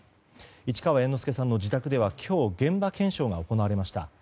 市川猿之助さんの自宅では今日、現場検証が行われました。